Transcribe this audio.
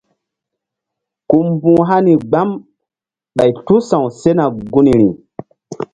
Ku mbu̧h hani gbam ɓay tu sa̧w sena gunri.